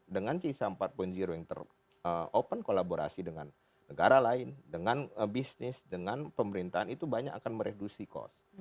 dengan sisa empat yang ter open kolaborasi dengan negara lain dengan bisnis dengan pemerintahan itu banyak akan meredusi cost